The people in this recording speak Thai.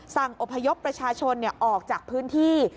อพยพประชาชนออกจากพื้นที่